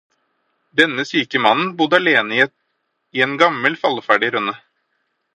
Denne syke mannen bodde alene i en gammel, falleferdig rønne.